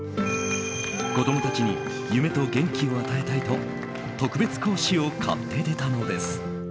子供たちに夢と元気を与えたいと特別講師を買って出たのです。